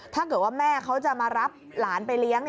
ถ้าเกิดว่าแม่เขาจะมารับหลานไปเลี้ยง